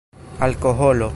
alkoholo